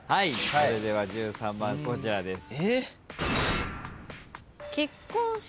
それでは１３番こちらです。